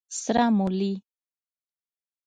🫜 سره مولي